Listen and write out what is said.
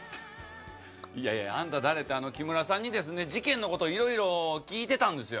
いやいやあんた誰って、木村さんに、事件のことをいろいろ聞いてたんですよ。